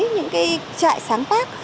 những cái trại sáng tác